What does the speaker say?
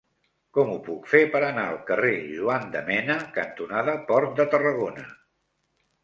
Com ho puc fer per anar al carrer Juan de Mena cantonada Port de Tarragona?